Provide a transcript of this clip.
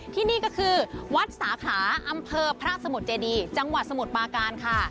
ที่นี่ก็คือวัดสาขาอำเภอพระสมุทรเจดีจังหวัดสมุทรปาการค่ะ